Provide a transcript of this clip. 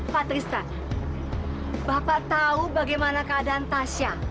pak trista bapak tahu bagaimana keadaan tasya